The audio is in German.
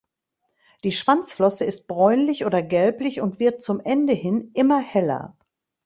Die Schwanzflosse ist bräunlich oder gelblich und wird zum Ende hin immer heller.